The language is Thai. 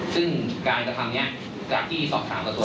ซึ่งการจะทำเนี้ยจากที่สอบถามกับตัวล้อมน้ำก็คือไม่มีการโดนและต้องตัวกัน